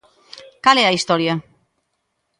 Cal é a historia?